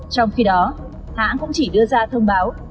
trong khi đó hãng cũng chỉ đưa ra thông báo